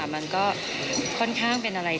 มันก็ค่อนข้างเป็นอะไร